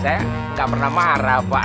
saya nggak pernah marah pak